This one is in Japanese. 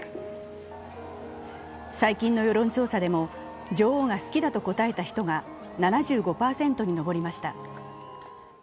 最近の世論調査でも女王が好きだと答えた人が７５％に上りました。